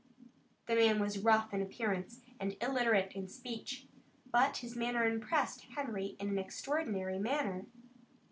The man was rough in appearance and illiterate in speech, but his manner impressed Harry in an extraordinary manner.